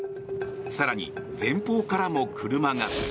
更に、前方からも車が。